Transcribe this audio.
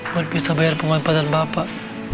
buat bisa bayar pemanfaatan bapak